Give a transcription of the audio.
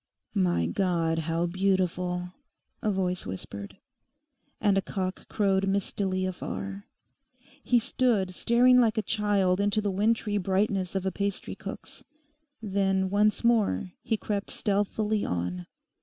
'My God, how beautiful!' a voice whispered. And a cock crowed mistily afar. He stood staring like a child into the wintry brightness of a pastry cook's. Then once more he crept stealthily on.